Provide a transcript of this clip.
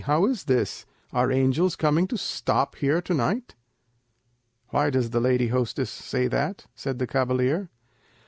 how is this? Are angels coming to stop here to night?" "Why does the lady hostess say that?" said the cavalier.